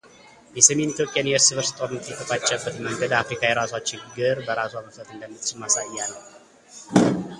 የሰሜን ኢትዮጵያን የእርስ በርስ ጦርነት የተቋጨበት መንገድ አፍሪካ የራሷን ችግር በራሷ መፍታት እንደምትችል ማሳያ ነው